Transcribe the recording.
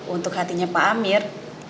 untuk hatinya pak amir